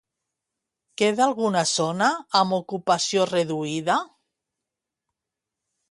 Queda alguna zona amb ocupació reduïda?